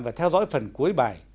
phải theo dõi phần cuối bài